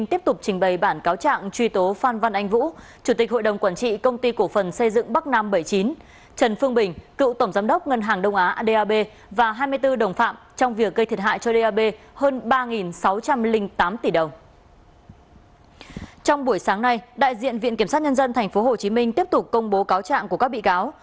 trong buổi sáng nay đại diện viện kiểm sát nhân dân tp hcm tiếp tục công bố cáo trạng của các bị cáo